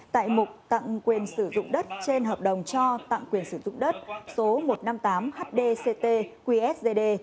tại mục tặng quyền sử dụng đất trên hợp đồng cho tặng quyền sử dụng đất số một trăm năm mươi tám hdct qsgd